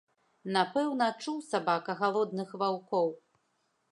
Напэўна, чуў сабака галодных ваўкоў.